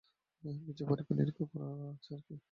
কিছু পরীক্ষা-নিরীক্ষা করছে আরকি।